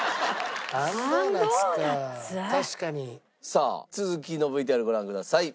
さあ続きのＶＴＲご覧ください。